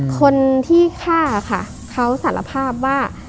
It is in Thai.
คนที่ฆ่าค่ะเขาสารภาพว่า